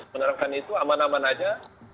menerapkan itu aman aman aja